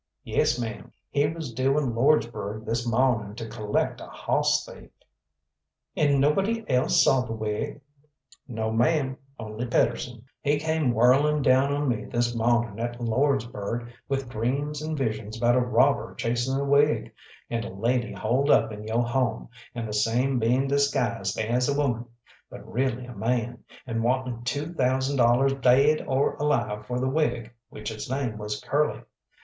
"Yes, ma'am, he was due in Lordsburgh this mawning to collect a hoss thief." "And nobody else saw the wig?" "No, ma'am, only Pedersen. He came whirling down on me this mawning at Lordsburgh with dreams and visions about a robber chasing a wig, and a lady holed up in yo' home, and the same being disguised as a woman, but really a man, and wanting two thousand dollars daid or alive for the wig which its name was Curly.